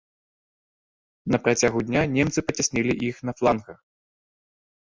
На працягу дня немцы пацяснілі іх на флангах.